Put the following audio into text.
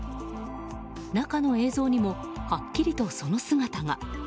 中の映像にもはっきりとその姿が。